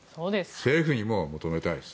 政府にも求めたいです。